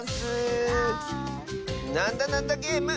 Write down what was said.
「なんだなんだゲーム」